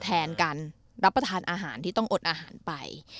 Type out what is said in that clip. แทนการรับประทานอาหารที่ต้องอดอาหารไป